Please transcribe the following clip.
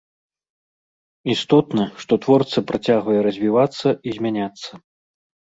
Істотна, што творца працягвае развівацца і змяняцца.